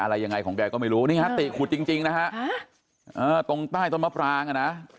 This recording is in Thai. อะไรยังไงของแกก็ไม่รู้นี่ฮะติขุดจริงจริงนะฮะตรงใต้ต้นมะปรางอ่ะนะ